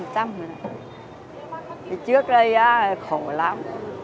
thì trước đây khổ lắm